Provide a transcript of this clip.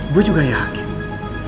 gue juga yakin